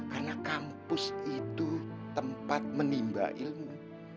karena kampus itu tempat menimba ilmu